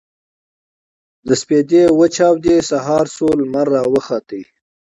د سپـېدې وچـاودې سـهار شـو لمـر راوخـت.